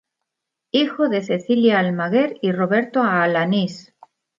Hijo de Cecilia Almaguer y Roberto Alanís.